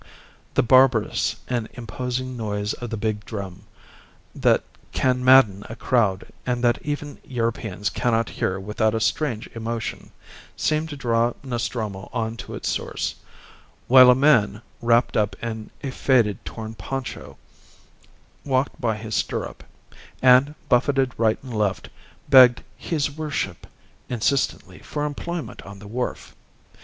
The barbarous and imposing noise of the big drum, that can madden a crowd, and that even Europeans cannot hear without a strange emotion, seemed to draw Nostromo on to its source, while a man, wrapped up in a faded, torn poncho, walked by his stirrup, and, buffeted right and left, begged "his worship" insistently for employment on the wharf.